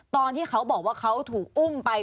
ตอนที่เขาบอกว่าเขาถูกอุ้มไป